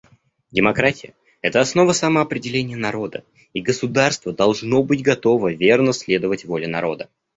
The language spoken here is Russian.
Демократия — это основа самоопределения народа, и государство должно быть готово верно следовать воле народа.